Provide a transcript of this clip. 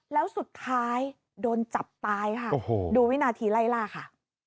แล้วสุดท้ายโดนจับตายค่ะโอ้โหดูวินาทีไล่ล่าค่ะ